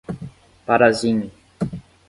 Parazinho